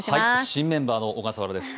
新メンバーの小笠原です。